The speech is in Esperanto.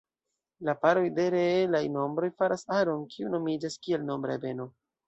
La paroj de reelaj nombroj faras aron, kiu nomiĝas kiel nombra ebeno.